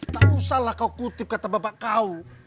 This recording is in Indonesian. tak usah lah kau kutip kata bapak kau